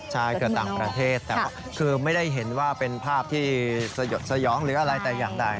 ใช่เกิดต่างประเทศแต่ก็คือไม่ได้เห็นว่าเป็นภาพที่สยดสยองหรืออะไรแต่อย่างใด